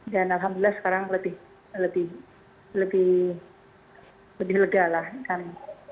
dan alhamdulillah sekarang lebih lega lah kami